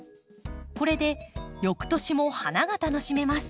これで翌年も花が楽しめます。